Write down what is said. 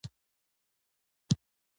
زموږ د متحدینو ځمکې هدف دی.